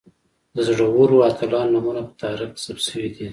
د زړورو اتلانو نومونه په تاریخ کې ثبت شوي دي.